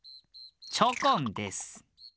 チョコンです。